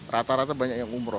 rata rata banyak yang umroh